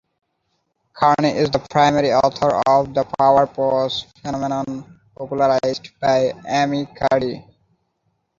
Carney is the primary author of the power pose phenomenon popularized by Amy Cuddy.